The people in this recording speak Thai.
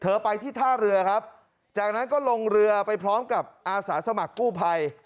ไปที่ท่าเรือครับจากนั้นก็ลงเรือไปพร้อมกับอาสาสมัครกู้ภัย